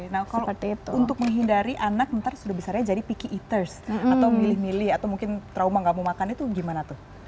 nah untuk menghindari anak nanti sudah besarnya jadi peaking eaters atau milih milih atau mungkin trauma gak mau makan itu gimana tuh